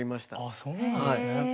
そうなんですね。